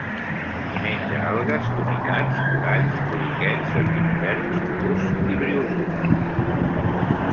Menja algues, tunicats, coralls, poliquets, equinoderms, mol·luscs i briozous.